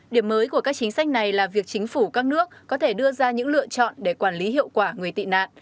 điểm mới của các chính sách này là việc chính phủ các nước có thể đưa ra những lựa chọn để quản lý hiệu quả người tị nạn